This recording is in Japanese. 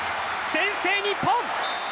先制日本。